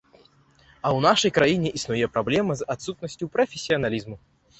А ў нашай краіне існуе праблема з адсутнасцю прафесіяналізму.